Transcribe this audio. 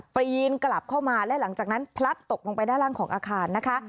ปีนกลับเข้ามาและหลังจากนั้นพลัดตกลงไปด้านล่างของอาคารนะคะ